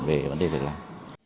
về vấn đề việc làm